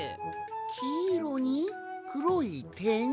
きいろにくろいてん？